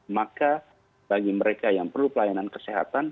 maka bagi mereka yang perlu pelayanan kesehatan